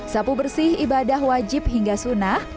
sapu bersih ibadah wajib hingga sunnah